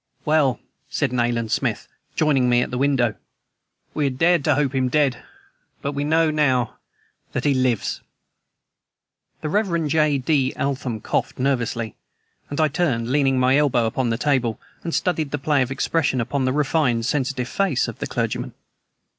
"Well," said Nayland Smith, joining me at the window, "we had dared to hope him dead, but we know now that he lives!" The Rev. J. D. Eltham coughed nervously, and I turned, leaning my elbow upon the table, and studied the play of expression upon the refined, sensitive face of the clergyman.